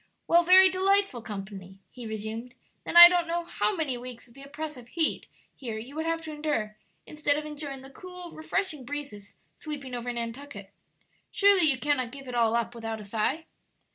"Well, very delightful company," he resumed; "then I don't know how many weeks of the oppressive heat here you would have to endure, instead of enjoying the cool, refreshing breezes sweeping over Nantucket. Surely, you cannot give it all up without a sigh?"